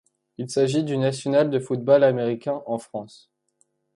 Il s'agit du national de football américain en France.